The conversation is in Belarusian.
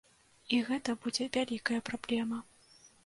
І гэта будзе вялікая праблема.